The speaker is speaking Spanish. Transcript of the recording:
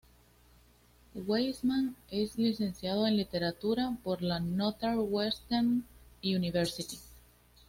Weisman es licenciado en literatura por la Northwestern University.